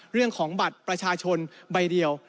เรื่องของบัตรประชาชนใบเดียว